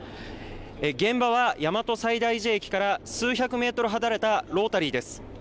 現場は大和西大寺駅から数百メートル離れたロータリーです。